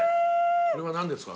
これは何ですか？